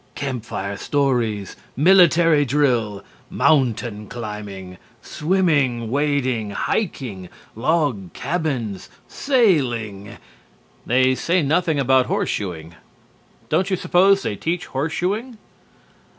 Campfire stories, military drill, mountain climbing, swimming, wading, hiking, log cabins, sailing ' they say nothing about horseshoeing. Don't you suppose they teach horseshoeing?"